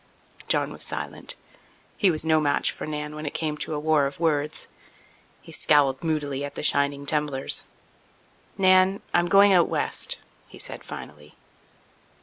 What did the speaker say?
John was silent; he was no match for Nan when it came to a war of words. He scowled moodily at the shining tumblers. "Nan, I'm going out west," he said finally.